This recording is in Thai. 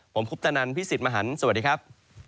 ผมคุปตะนันพี่สิทธิ์มหันฯสวัสดีครับ